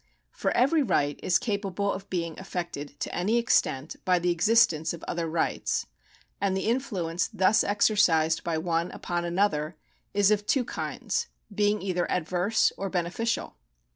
For every right is capable of being affected to any extent by the existence of other rights ; and the influence thus exercised by one upon another is of two kinds, being either adverse or beneficial.